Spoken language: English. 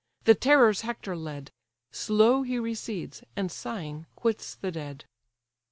The terrors Hector led. Slow he recedes, and sighing quits the dead.